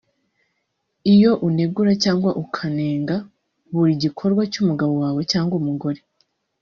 Iyo unegura cyangwa ukanenga buri gikorwa cy’umugabo wawe cyangwa umugore